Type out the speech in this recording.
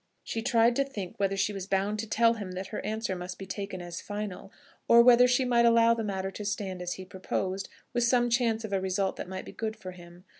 She tried to think whether she was bound to tell him that her answer must be taken as final, or whether she might allow the matter to stand as he proposed, with some chance of a result that might be good for him.